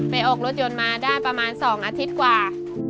ออกรถยนต์มาได้ประมาณ๒อาทิตย์กว่า